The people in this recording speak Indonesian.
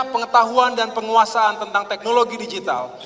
pengetahuan dan penguasaan tentang teknologi digital